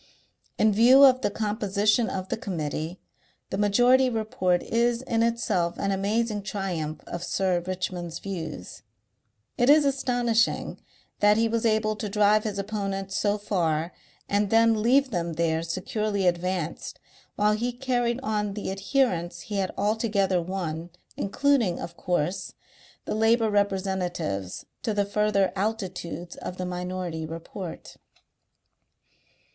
In view of the composition of the Committee, the Majority Report is in itself an amazing triumph of Sir Richmond's views; it is astonishing that he was able to drive his opponents so far and then leave them there securely advanced while he carried on the adherents he had altogether won, including, of course, the labour representatives, to the further altitudes of the Minority Report.